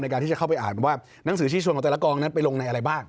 การที่จะเข้าไปอ่านว่าหนังสือชี้ชวนของแต่ละกองนั้นไปลงในอะไรบ้าง